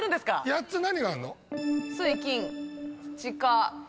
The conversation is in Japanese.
⁉８つ何があるの？